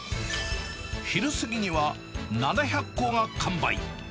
昼過ぎには７００個が完売。